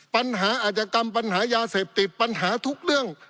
ปัญหาอาจกรรมปัญหายาเสพติดปัญหาทุกเรื่อง